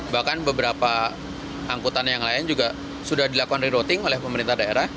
bahkan beberapa angkutan yang lain juga sudah dilakukan rerouting oleh pemerintah daerah